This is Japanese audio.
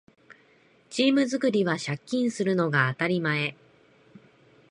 チーム作りは借金するのが当たり前